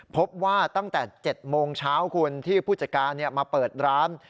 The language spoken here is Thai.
พบว่าตั้งแต่๗โมงเช้าคุณที่ผู้จัดการมาเปิดร้าน